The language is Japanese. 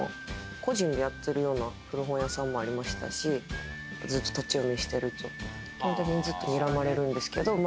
個人でやってるような古本屋さんもありましたし、ずっと立ち読みしてると、ずっと睨まれるんですけど。